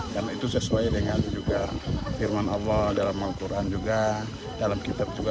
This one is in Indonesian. karena itu sesuai dengan juga firman allah dalam al quran juga dalam kitab juga